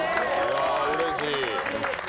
うれしい。